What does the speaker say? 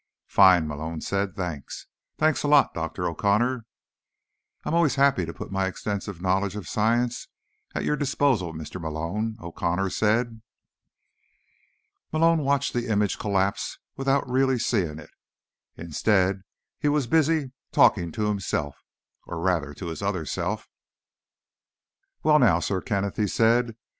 "Fine," Malone said. "Thanks. Thanks a lot, Dr. O'Connor." "I am always happy to put my extensive knowledge of science at your disposal, Mr. Malone," O'Connor said. Malone watched the image collapse without really seeing it. Instead, he was busily talking to himself, or rather to his other self. "Well, now, Sir Kenneth," he said.